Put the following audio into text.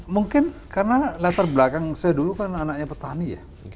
mungkin karena latar belakang saya dulu kan anaknya petani ya